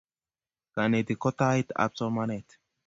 Kanetik ko tait ab somanet